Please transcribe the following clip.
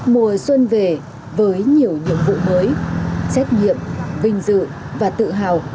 mùa xuân về với nhiều nhiệm vụ mới trách nhiệm vinh dự và tự hào